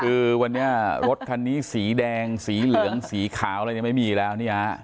คือวันนี้รถคันนี้สีแดงสีเหลืองสีขาวอะไรเนี่ยไม่มีแล้วเนี่ยฮะ